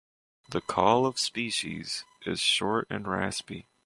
The call of species is short and raspy.